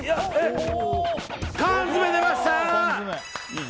缶詰、出ました！